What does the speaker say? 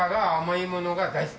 大好き？